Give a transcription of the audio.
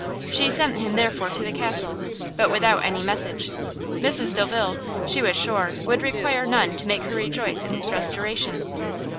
She sent him, therefore, to the castle, but without any message; Mrs Delvile, she was sure, would require none to make her rejoice in his restoration.